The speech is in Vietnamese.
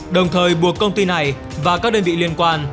đồng thời buộc công ty này và các đơn vị liên quan